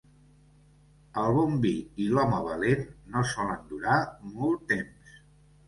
El bon vi i l'home valent no solen durar molt temps.